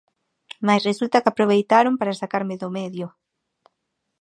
Mais resulta que aproveitaron para sacarme do medio.